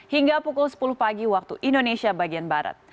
hingga pukul sepuluh pagi waktu indonesia bagian barat